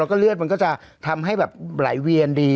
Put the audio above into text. แล้วเรือดมันก็จะทำให้หลายเวียนดี